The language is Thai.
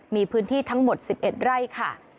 มีพื้นที่ทั้งหมด๑๑ไร่ค่ะ